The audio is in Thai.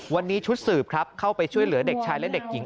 วันนี้ชุดสืบครับเข้าไปช่วยเหลือเด็กชายและเด็กหญิง